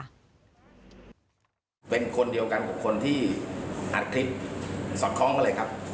เป็นคนเดียวกันกับคนที่อัดคลิปสอดคล้องกันเลยครับ